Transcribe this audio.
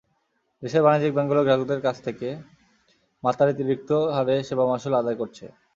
দেশের বাণিজ্যিক ব্যাংকগুলো গ্রাহকদের কাছ থেকে মাত্রাতিরিক্ত হারে সেবা মাশুল আদায় করছে।